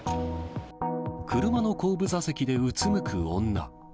車の後部座席でうつむく女。